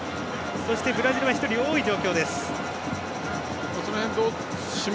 そして、ブラジルは１人多い状況です。